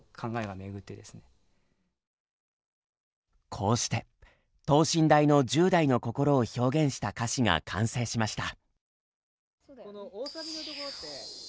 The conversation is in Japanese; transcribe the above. こうして等身大の１０代の心を表現した歌詞が完成しました。